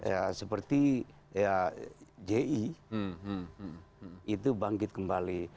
ya seperti ya ji itu bangkit kembali